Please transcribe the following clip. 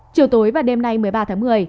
chiều tối và đêm nay một mươi ba tháng một mươi